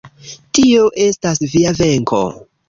Tio estas via venko.